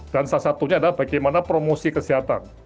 dan salah satunya adalah bagaimana promosi kesehatan